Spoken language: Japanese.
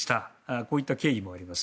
こういった経緯もあります。